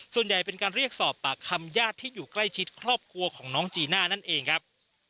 ส่วนใหญ่เป็นการเรียกสอบปากคำญาติที่อยู่ใกล้ชิดครอบครัวของน้องจีน่านั่นเองครับ